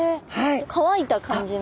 乾いた感じの。